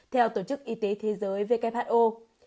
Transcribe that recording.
theo tổ chức y tế thế giới who